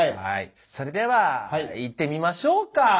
それではいってみましょうか。